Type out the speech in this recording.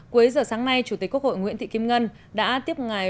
cuối giờ sáng nay chủ tịch quốc hội nguyễn thị kim ngân đã tiếp ngài